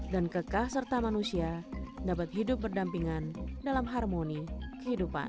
dan kekah serta manusia dapat hidup berdampingan dalam harmoni kehidupan